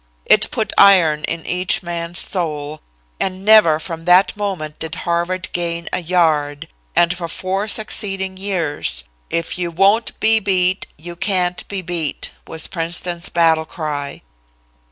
It put iron in each man's soul, and never from that moment did Harvard gain a yard, and for four succeeding years 'If you won't be beat, you can't be beat,' was Princeton's battle cry.